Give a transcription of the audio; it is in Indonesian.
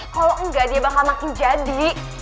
kalau enggak dia bakal mati jadi